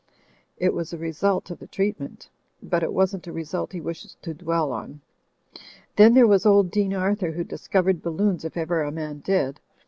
It was a result of the treatment. But it wasn't a result he wishes to dwell on. Then there was old Dean Arthur, who discovered balloons if ever a man did.